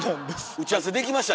打ち合わせできました？